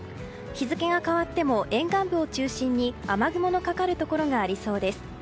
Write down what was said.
日付が変わっても沿岸部を中心に雨雲のかかるところがありそうです。